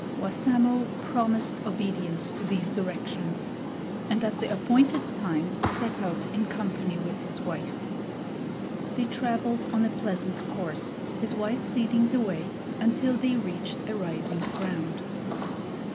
Wassamo promised obedience to these directions, and at the appointed time set out in company with his wife. They traveled on a pleasant course, his wife leading the way, until they reached a rising ground.